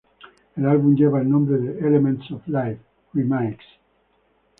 El álbum lleva el nombre de Elements of Life: Remixed.